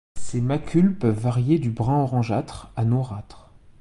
Ses macules peuvent varier du brun orangeâtre à noirâtres.